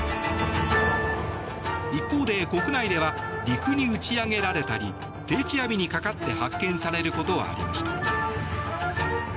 一方で、国内では陸に打ち揚げられたり定置網にかかって発見されることはありました。